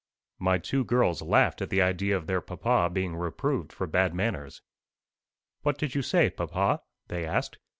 '" My two girls laughed at the idea of their papa being reproved for bad manners. "What did you say, papa?" they asked.